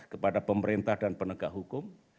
kepada pemerintah dan penegak hukum